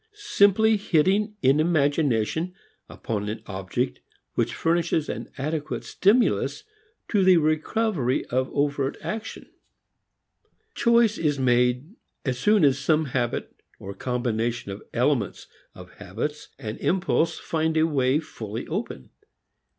Simply hitting in imagination upon an object which furnishes an adequate stimulus to the recovery of overt action. Choice is made as soon as some habit, or some combination of elements of habits and impulse, finds a way fully open.